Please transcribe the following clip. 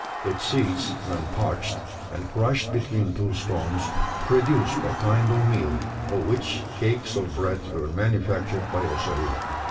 Its seeds when parched, and crushed between two stones, produced a kind of meal, of which cakes of bread were manufactured by Ossaroo.